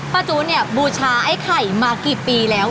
ป้าจุนี่บูชาไอ้ไข่มากี่ปีแล้ว